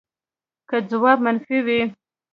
که ځواب منفي وي